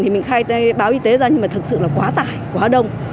thì mình khai báo y tế ra nhưng mà thực sự là quá tải quá đông